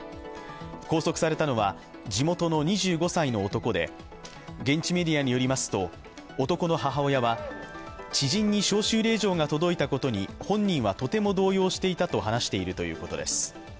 拘束されたのは地元の２５歳の男で現地メディアによりますと男の母親は知人に招集令状が届いたことに本人はとても動揺していたと話しているということです。